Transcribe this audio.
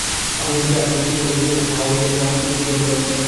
আপনি নিশ্চয়ই আপনার সব রোগীদের হাওয়া-বদলের জন্যে আপনার পৈতৃক বাড়িতে পাঠান না?